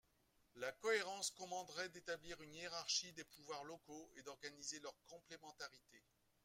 La cohérence commanderait d’établir une hiérarchie des pouvoirs locaux et d’organiser leur complémentarité.